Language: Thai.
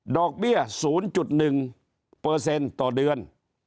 อกเบี้ย๐๑ต่อเดือน